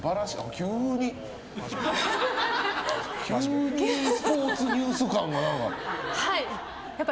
急にスポーツニュース感が何か。